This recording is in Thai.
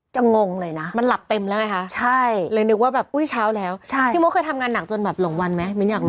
จะงงเลยนะใช่เลยนึกว่าแบบอุ๊ยเช้าแล้วพี่มุกเคยทำงานหนักจนแบบหลงวันไหมมินอยากรู้